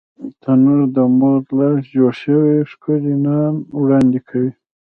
تنور د مور لاس جوړ شوی ښکلی نان وړاندې کوي